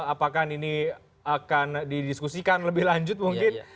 apakah ini akan didiskusikan lebih lanjut mungkin